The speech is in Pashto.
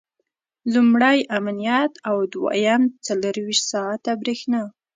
لومړی امنیت او دویم څلرویشت ساعته برېښنا.